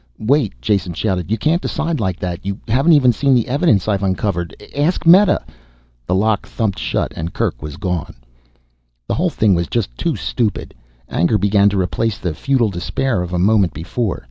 "Wait," Jason shouted. "You can't decide like that. You haven't even seen the evidence I've uncovered. Ask Meta " The lock thumped shut and Kerk was gone. The whole thing was just too stupid. Anger began to replace the futile despair of a moment before.